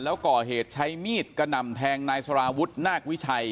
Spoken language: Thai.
แล้วก่อเหตุใช้มีดกระหน่ำแทงนายสารวุฒินาควิชัย